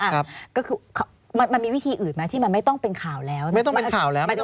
ครับก็คือมันมีวิธีอื่นไหมที่มันไม่ต้องเป็นข่าวแล้วไม่ต้องเป็นข่าวแล้ว